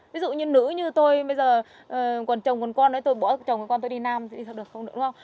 ví dụ như nữ như tôi bây giờ còn chồng còn con tôi bỏ chồng còn con tôi đi nam thì đi sao được không nữa đúng không